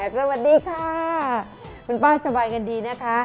สวัสดีค่ะคุณป้าสบายกันดีนะคะ